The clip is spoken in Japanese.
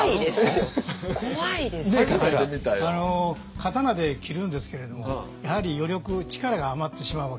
刀で斬るんですけれどもやはり余力力が余ってしまうわけですね。